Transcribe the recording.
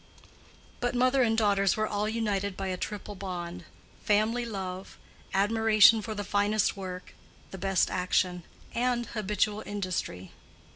But mother and daughters were all united by a triple bond—family love; admiration for the finest work, the best action; and habitual industry.